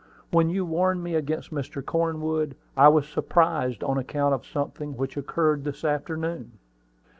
When you warned me against Mr. Cornwood, I was surprised on account of something which occurred this afternoon."